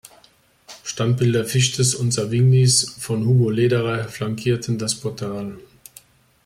Standbilder Fichtes und Savignys von Hugo Lederer flankierten das Portal.